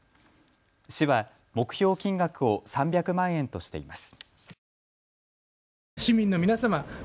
市は目標金額を３００万円としています。